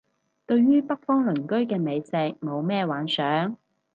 對於北方鄰居嘅美食冇咩幻想